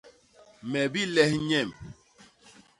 Me biles nyemb.